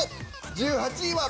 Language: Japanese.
１８位は。